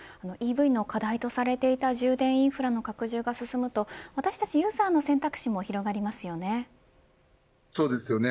ＥＶの課題とされていた充電インフラの拡充が進むと私たちユーザーの選択肢も広がりますよね。